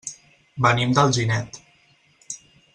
Venim d'Alginet.